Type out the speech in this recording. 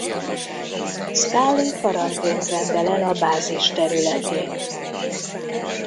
Scully karantént rendel el a bázis területén.